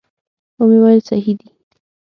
ومې ویل صحیح دي.